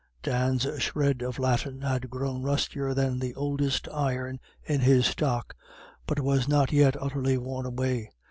Dan's shred of Latin had grown rustier than the oldest iron in his stock, but was not yet utterly worn away.